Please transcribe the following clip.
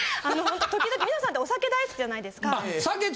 あのホント時々みのさんってお酒大好きじゃないですか。